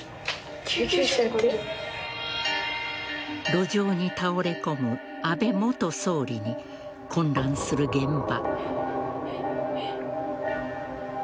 路上に倒れこむ安倍元総理に混乱する現場。